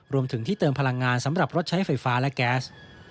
รวมถึงที่เติมพลังงานสำหรับรถใช้ไฟฟ้าและแก๊ส